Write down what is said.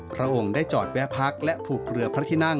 พระองค์ได้จอดแวะพักและผูกเรือพระที่นั่ง